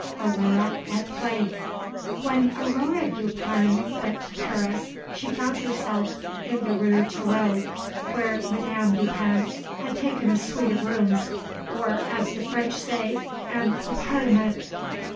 AURORE AT PLAY When Aurore Dupin went to Paris she found herself in the Rue Thiroux, where Madame Dupin had taken a suite of rooms, or, as the French say, an 'appartement.'